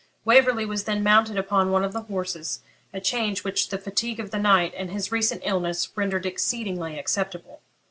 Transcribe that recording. Waverley was then mounted upon one of the horses, a change which the fatigue of the night and his recent illness rendered exceedingly acceptable.